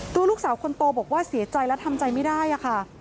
ตัวลูกสาวคนโตบอกว่าเสียใจและทำใจไม่ได้ค่ะ